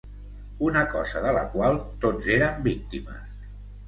Una cosa de la qual tots érem víctimes